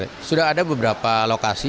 jadi sudah ada beberapa lokasi